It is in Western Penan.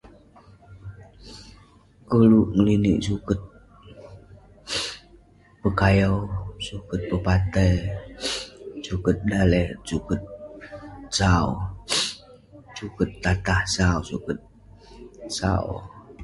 Koluk ngeninik suket pekayau, suket pepatai, suket daleh, suket sau. Suket tatah sau, suket sau.